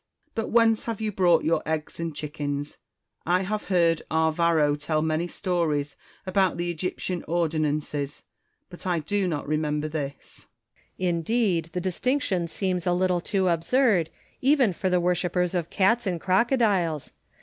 But whence have you brought your eggs and chickens 1 I have heard our Varro tell many stories about the Egyptian ordinances, but I do not remember this. Quinctus. Indeed the distinction seems a little too absurd, even for the worshippers of cats and crocodiles.